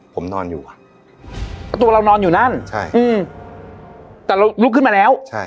ผมนอนอยู่แล้วตัวเรานอนอยู่นั่นใช่อืมแต่เราลุกขึ้นมาแล้วใช่